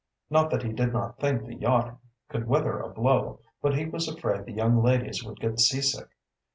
Not that he did not think the yacht could weather a blow, but he was afraid the young ladies would get seasick.